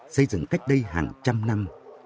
xây dựng cách đây hàng trăm năm